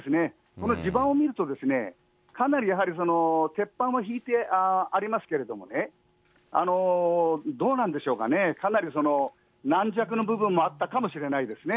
この地盤を見ると、かなりやはり鉄板を敷いてありますけれどもね、どうなんでしょうかね、かなり軟弱な部分もあったかもしれないですね。